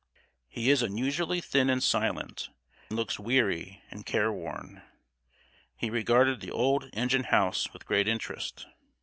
He is unusually thin and silent, and looks weary and careworn. He regarded the old engine house with great interest.